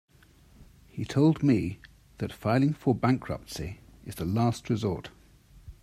He told me that filing for bankruptcy is the last resort.